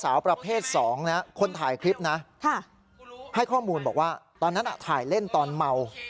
สาวประเภท๒นะคนถ่ายคลิปนะให้ข้อมูลบอกว่าตอนนั้นถ่ายเล่นตอนเมา